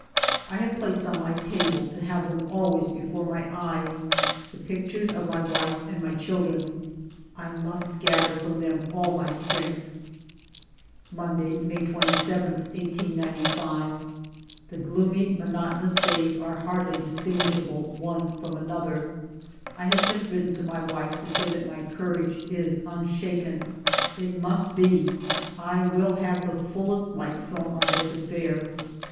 I have placed on my table, to have them always before my eyes, the pictures of my wife and my children. I must gather from them all my strength. Monday^ May 27, 1895. The gloomy, monotonous days are hardly dis tinguishable one from another. I have just writ ten to my wife to say that my courage is unshaken. 136 FIVE YEARS OF MY LIFE It must be ; I will have the fullest light thrown on this affair.